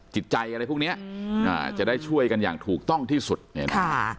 จิตใจอะไรพวกเนี้ยอืมอ่าจะได้ช่วยกันอย่างถูกต้องที่สุดเนี่ยนะคะ